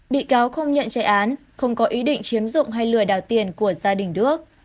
bị cáo không nhận chạy án không có ý định chiếm dụng hay lừa đảo tiền của gia đình đước